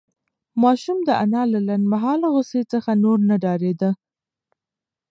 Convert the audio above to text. ماشوم د انا له لنډمهاله غوسې څخه نور نه ډارېده.